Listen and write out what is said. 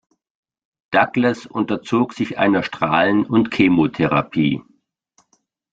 Douglas unterzog sich einer Strahlen- und Chemotherapie.